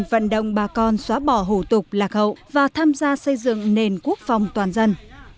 vận động bà con xóa bỏ hủ tục lạc hậu và tham gia xây dựng nền quốc phòng toàn dân